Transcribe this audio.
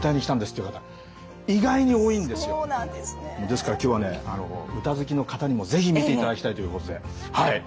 ですから今日はね歌好きの方にも是非見ていただきたいということではい。